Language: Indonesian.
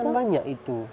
itu kan banyak itu